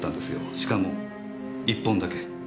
しかも１本だけ。